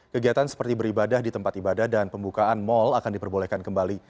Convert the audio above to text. kegiatan seperti beribadah di tempat ibadah dan pembukaan mal akan diperbolehkan kembali